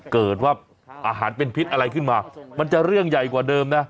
เกิดว่าอาหารเป็นพิษอะไรขึ้นมามันจะเรื่องใหญ่กว่าเดิมนะ